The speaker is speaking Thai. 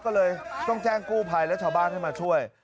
ก็เลยต้องแจ้งกู้ภัยและชาวบ้านให้มาช่วย